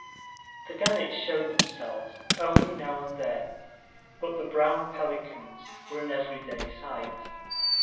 The gannets showed themselves only now and then, but the brown pelicans were an every day sight.